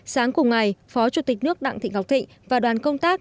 sáng cùng ngày phó chủ tịch nước đặng thị ngọc thịnh và đoàn công tác